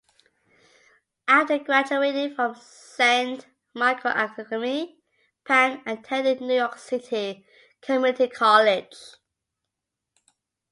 After graduating from Saint Michael Academy, Pang attended New York City Community College.